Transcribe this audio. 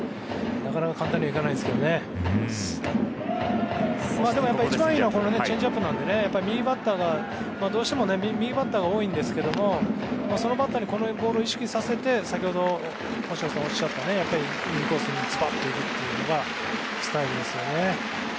なかなか簡単にはでも一番いいのはこのチェンジアップなので右バッターがどうしても多いんですけどそのバッターにこのボールを意識させて先ほど星野さんがおっしゃったインコースにずばっと行くというのがスタイルですよね。